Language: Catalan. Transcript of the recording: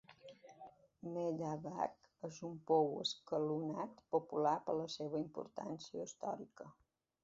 Madhavav és un pou escalonat popular per la seva importància històrica.